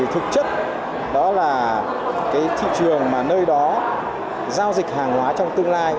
thực chất đó là cái thị trường mà nơi đó giao dịch hàng hóa trong tương lai